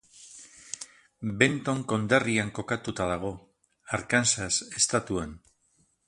Benton konderrian kokatuta dago, Arkansas estatuan.